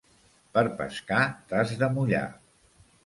Per pescar t'has de mullar.